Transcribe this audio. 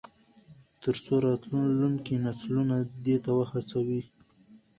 تر څو راتلونکي نسلونه دې ته وهڅوي.